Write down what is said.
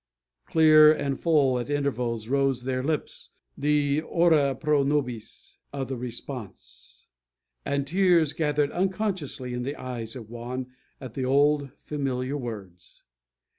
Clear and full at intervals rose from their lips the "Ora pro nobis" of the response; and tears gathered unconsciously in the eyes of Juan at the old familiar words.